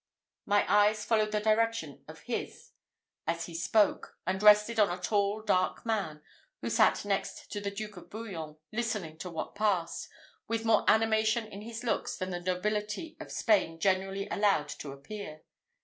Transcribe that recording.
My eyes followed the direction of his as he spoke, and rested on a tall, dark man, who sat next to the Duke of Bouillon, listening to what passed, with more animation in his looks than the nobility of Spain generally allowed to appear.